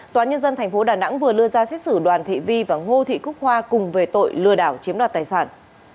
tòa nhân dân thành phố đà nẵng vừa lưa ra xét xử đoàn thị vi và ngô thị khúc hoa cùng về tội lừa đảo chiếm đoạt tài sản